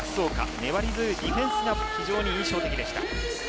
粘り強いディフェンスが非常に印象的でした。